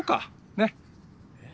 ねっ。えっ？